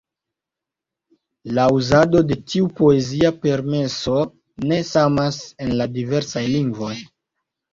La uzado de tiu poezia permeso ne samas en la diversaj lingvoj.